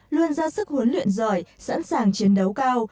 luôn ra sức huấn luyện giỏi sẵn sàng chiến đấu cao